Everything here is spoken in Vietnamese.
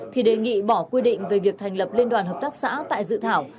thì đề nghị bỏ quy định về việc thành lập liên đoàn hợp tác xã tại dự thảo